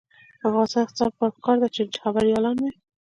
د افغانستان د اقتصادي پرمختګ لپاره پکار ده چې خبریالان وي.